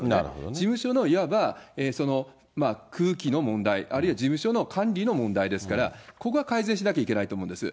事務所のいわば、空気の問題、あるいは事務所の管理の問題ですから、ここは改善しなきゃいけないと思うんです。